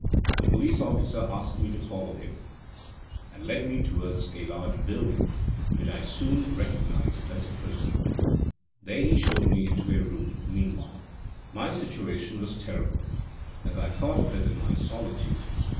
The police officer asked me to follow him, and led me towards a large building which I soon recognized as the prison. There he showed me into a room meanwhile. My situation was terrible, as I thought of it in my solitude.